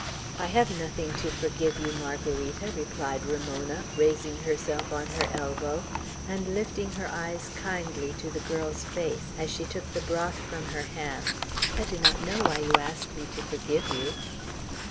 "I have nothing to forgive you, Margarita," replied Ramona, raising herself on her elbow, and lifting her eyes kindly to the girl's face as she took the broth from her hands. "I do not know why you ask me to forgive you."